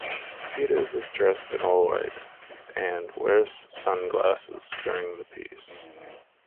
Peters is dressed all in white, and wears sunglasses during the piece.